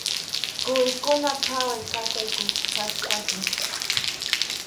Quwikuna phawaykachaykuchkasqaku.